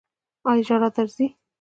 ایا ژړا درځي؟